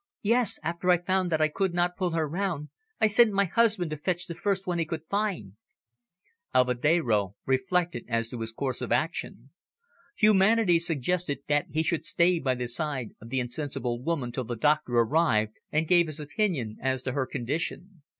"Yes. After I found that I could not pull her round, I sent my husband to fetch the first one he could find." Alvedero reflected as to his course of action. Humanity suggested that he should stay by the side of the insensible woman till the doctor arrived and gave his opinion as to her condition.